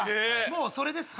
もうそれです